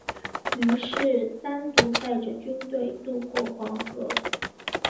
于是单独带着军队渡过黄河。